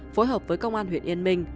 phối hợp với công an huyện yên minh